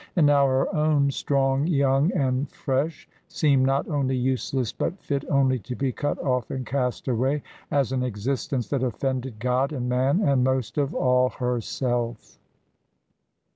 And now her own, strong, young and fresh, seemed not only useless but fit only to be cut off and cast away, as an existence that offended God and man and most of all herself.